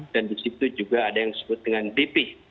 dan disitu juga ada yang disebut dengan dp